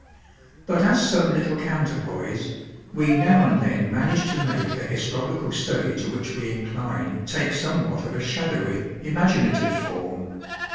Bnt as some little counterpoise, we now and then manage to make the historical study to which we incline take somewhat of a shadowy, imaginative form.